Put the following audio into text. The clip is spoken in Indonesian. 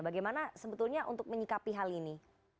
bagaimana sebetulnya untuk menyikapi hal ini